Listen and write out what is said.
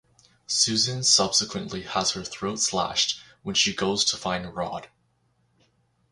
Susan subsequently has her throat slashed when she goes to find Rod.